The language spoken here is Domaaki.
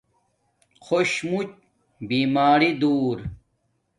خوش موچ بیماری دو